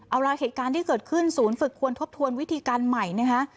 เอาล่ะเหตุการณ์ที่เกิดขึ้นศูนย์ฝึกควรทบทวนวิธีการใหม่นะคะ